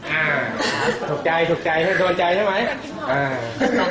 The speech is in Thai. อ่าถูกใจถูกใจถูกโดนใจใช่ไหม